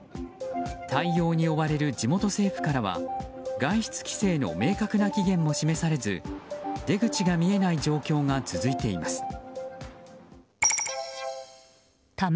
対応に追われる地元政府からは外出規制の明確な期限も示されず出口が見えない状況が続いています。